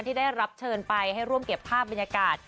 ที่ได้รับเชิญไปให้ร่วมเก็บภาพบรรยากาศ